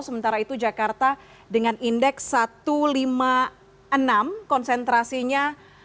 sementara itu jakarta dengan indeks satu ratus lima puluh enam konsentrasinya